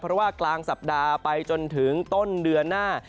เพราะว่ากลางสัปดาห์ไปจนถึงต้นเดือนหน้า